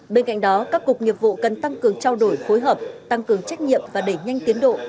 bên cạnh đó các cục nghiệp vụ cần tăng cường trao đổi phối hợp tăng cường trách nhiệm và đẩy nhanh tiến độ